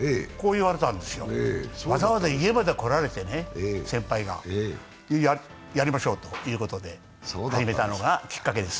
わざわざ家まで先輩が来られて、やりましょうということで始めたのがきっかけです。